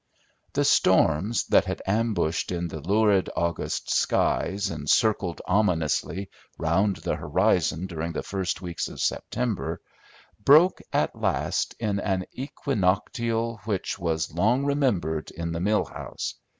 The storms, that had ambushed in the lurid August skies and circled ominously round the horizon during the first weeks of September, broke at last in an equinoctial which was long remembered in the mill house.